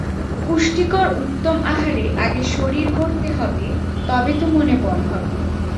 পুষ্টিকর উত্তম আহারে আগে শরীর গড়তে হবে, তবে তো মনে বল হবে।